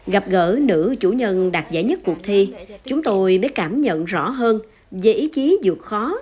gặp gỡ nữ chủ nhân đạt giải nhất cuộc thi chúng tôi mới cảm nhận rõ hơn về ý chí dược khó